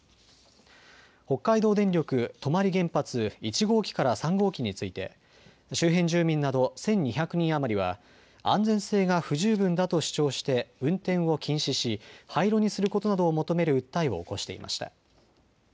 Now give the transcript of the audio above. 北海道電力泊原発１号機から３号機について周辺住民など１２００人余りは安全性が不十分だと主張して運転を禁止し廃炉にすることなどを求める訴えを起こしていました。